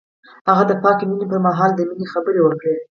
هغه د پاک مینه پر مهال د مینې خبرې وکړې.